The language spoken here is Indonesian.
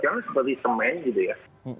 jangan seperti semen gitu ya